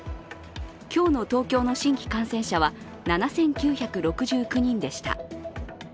今日の東京の新規感染者は７９６９人でした。